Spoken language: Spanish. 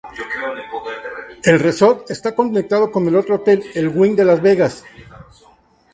El resort está conectado con el otro hotel, el Wynn Las Vegas.